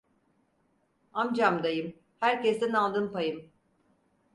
Amcam dayım herkesten aldım payım.